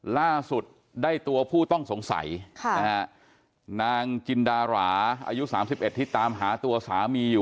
ล่าสุดได้ตัวผู้ต้องสงสัยนางจินดาราอายุ๓๑ที่ตามหาตัวสามีอยู่